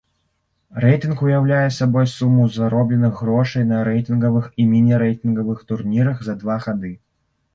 Рэйтынг уяўляе сабой суму заробленых грошай на рэйтынгавых і міні-рэйтынгавых турнірах за два гады.